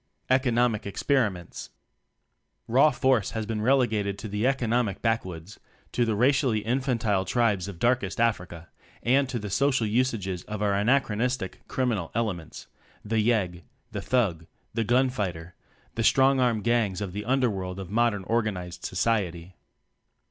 Economic Experiments. Raw force has been relegated to the economic backwoods to the facially infantile tribes of darkest Africa, and to the social usages of our anachronistic "criminal elements," the yegg, the thug, the gun fighter, the strong arm gangs of the under world of modern organized society.